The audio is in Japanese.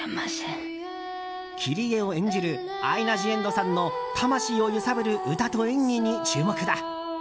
キリエを演じるアイナ・ジ・エンドさんの魂を揺さぶる歌と演技に注目だ。